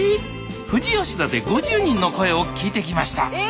富士吉田で５０人の声を聞いてきましたえ